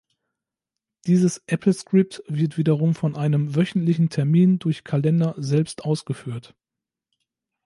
Dieses Applescript wird wiederum von einem wöchentlichen Termin durch Kalender selbst ausgeführt.